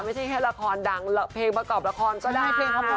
ไม่ใช่แค่ละครดังเพลงประกอบละครก็ได้